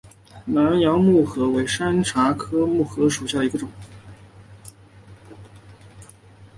南洋木荷为山茶科木荷属下的一个种。